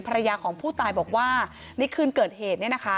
ภรรยาของผู้ตายบอกว่าในคืนเกิดเหตุ